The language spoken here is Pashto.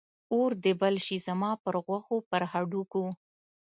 اور دې بل شي زما پر غوښو، پر هډوکو